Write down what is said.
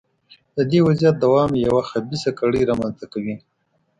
د دې وضعیت دوام یوه خبیثه کړۍ رامنځته کوي.